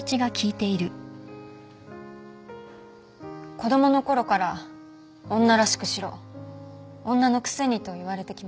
子供の頃から「女らしくしろ」「女のくせに」と言われてきました。